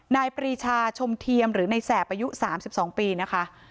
ปรีชาชมเทียมหรือในแสบอายุ๓๒ปีนะคะ